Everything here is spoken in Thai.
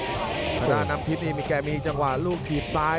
ภาษานำทิพย์นี้มีแก่มีจังหวะลูกถีบซ้าย